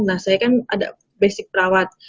nah saya kan ada basic perawat